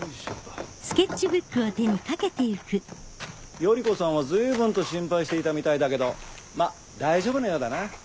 頼子さんはずいぶんと心配していたみたいだけどまっ大丈夫のようだな。